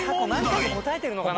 過去何回も答えてるのかな。